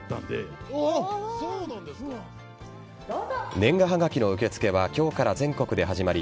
年賀はがきの受け付けは今日から全国で始まり